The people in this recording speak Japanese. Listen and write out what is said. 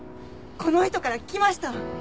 この人から聞きました。